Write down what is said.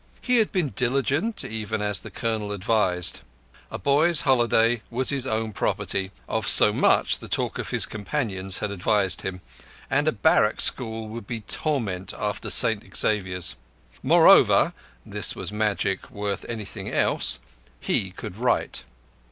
He had been diligent, even as the Colonel advised. A boy's holiday was his own property—of so much the talk of his companions had advised him,—and a barrack school would be torment after St Xavier's. Moreover—this was magic worth anything else—he could write.